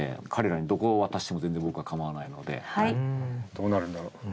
どうなるんだろう。